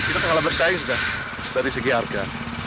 itu kalau bersaing sudah dari segi harga